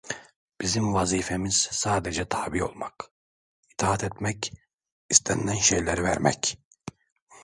Bizim vazifemiz sadece tabi olmak, itaat etmek, istenilen şeyleri vermek…